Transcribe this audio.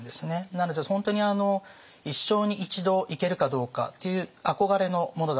なので本当に一生に一度行けるかどうかっていう憧れのものだった。